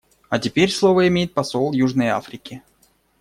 А теперь слово имеет посол Южной Африки.